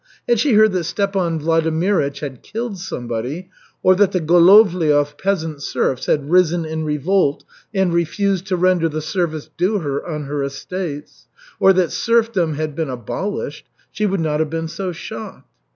Had she heard that Stepan Vladimirych had killed somebody, or that the Golovliov peasant serfs had risen in revolt and refused to render the service due her on her estates, or that serfdom had been abolished, she would not have been so shocked.